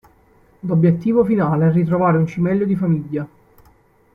L'obiettivo finale è ritrovare un cimelio di famiglia.